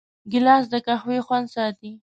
ګیلاس د قهوې خوند ساتي.